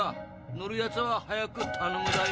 乗るやつは早く頼むだよ。